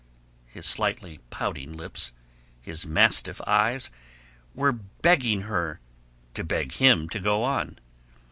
His slightly pouting lips, his mastiff eyes, were begging her to beg him to go on.